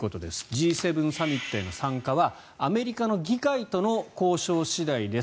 Ｇ７サミットへの参加はアメリカの議会との交渉次第です